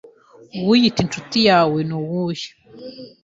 uwiyita inshuti yawe nuwuhe